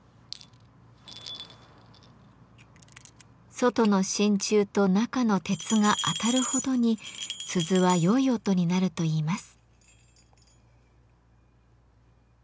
外の真鍮と中の鉄が当たるほどに鈴は良い音になるといいます。